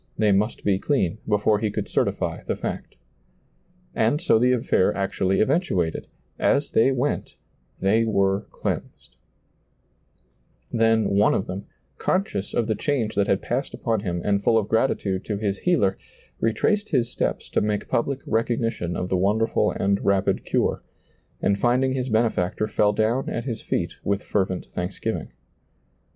They must be clean before he could certily the fact And so the ailair actually eventuated ;" as they went, they were cleansed," Then one of them, conscious of the change that had passed upon him and full of gratitude to his Healer, retraced his steps to make public recognition of the wonderful and rapid cure, and finding his Benefactor fell down at His feet with fervent thanksgiving.